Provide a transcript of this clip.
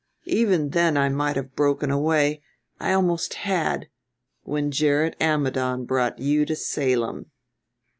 Even then I might have broken away, I almost had, when Gerrit Ammidon brought you to Salem.